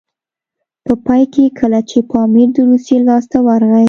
په پای کې کله چې پامیر د روسیې لاسته ورغی.